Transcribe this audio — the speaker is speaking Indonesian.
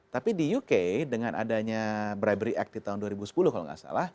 tapi di uk dengan adanya bribery act di tahun dua ribu sepuluh kalau nggak salah